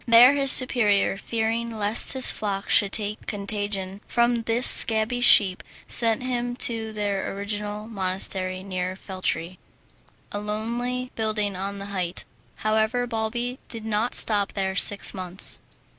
There, his superior fearing lest his flock should take contagion from this scabby sheep, sent him to their original monastery near Feltre, a lonely building on a height. However, Balbi did not stop there six months.